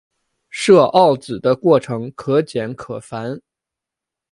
设鏊子的过程可简可繁。